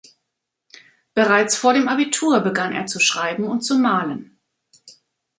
Bereits vor dem Abitur begann er zu schreiben und zu malen.